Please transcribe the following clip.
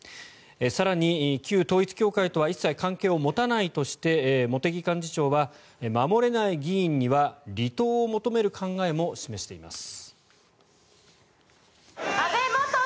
更に旧統一教会とは一切関係を持たないとして茂木幹事長は守れない議員には離党を求める考えも示しています。